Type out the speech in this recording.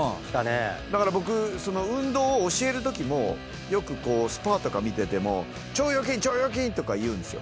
だから僕運動を教えるときもよくスパーとか見てても腸腰筋腸腰筋！とか言うんですよ。